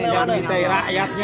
yang memintai rakyatnya